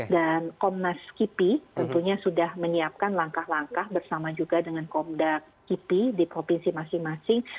dan komnas kipi tentunya sudah menyiapkan langkah langkah bersama juga dengan komda kipi di provinsi masing masing